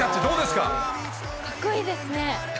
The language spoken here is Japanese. かっこいいですね。